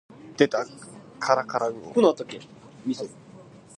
This strategy can help retain customers and encourage repeat purchases.